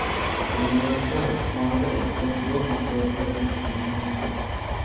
Innovatsion issiqxonada eksportbop mahsulotlar yetishtirilmoqda